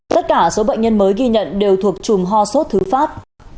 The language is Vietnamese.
tất cả số bệnh nhân mới ghi nhận đều thuộc chùm ho sốt thứ phát